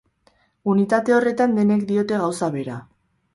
Unitate horretan denek diote gauza bera.